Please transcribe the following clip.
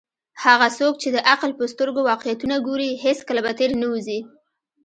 هغه څوک چې د عقل په سترګو واقعیتونه ګوري، هیڅکله به تیر نه وزي.